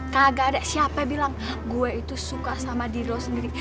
kagak ada siapa bilang gue itu suka sama diri lo sendiri